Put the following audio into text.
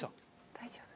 大丈夫？